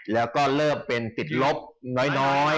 แล้วก็เริ่มเป็นติดลบน้อย